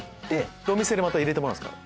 お店でまた入れてもらうんすか？